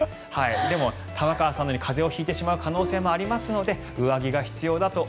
でも、玉川さんのように風邪を引いてしまう可能性もありますので上着が必要だと。